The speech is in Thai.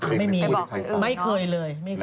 ไปบอกคนอื่นไม่เคยเลย